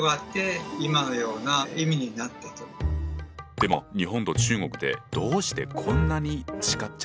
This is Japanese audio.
でも日本と中国でどうしてこんなに違っちゃったんだ？